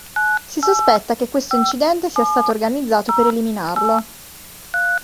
Si sospetta che questo incidente sia stato organizzato per eliminarlo.